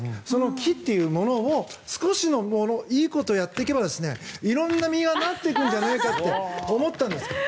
その木というものを少しのものいいことをやっていけば色んな実がなっていくんじゃないかって思ったんです。